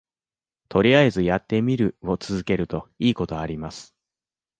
とりあえずやってみるを続けるといいことあります